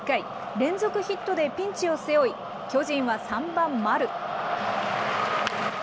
連続ヒットでピンチを背負い、巨人は３番丸。